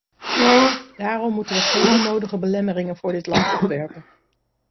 Daarom moeten we geen onnodige belemmeringen voor dit land opwerpen.